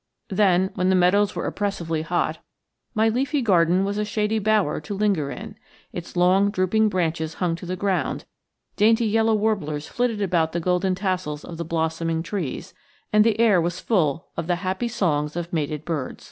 Then, when the meadows were oppressively hot, my leafy garden was a shady bower to linger in. Its long drooping branches hung to the ground, dainty yellow warblers flitted about the golden tassels of the blossoming trees, and the air was full of the happy songs of mated birds.